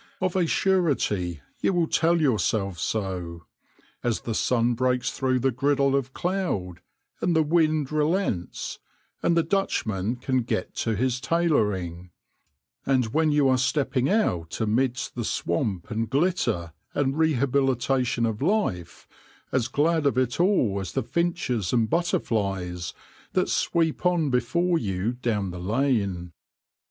Of a surety you will tell yourself so, as the sun breaks through the griddle of cloud, and the wind relents, and the Dutchman can get to his tailoring ; and when you are stepping out amidst the swamp and glitter and rehabilitation of life, as glad of it all as the finches and butterflies that sweep on before you down the lane.